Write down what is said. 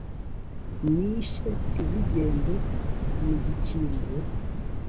nishe ntizigende mu gikingo